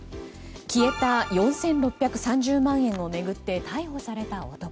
消えた４６３０万円を巡って逮捕された男。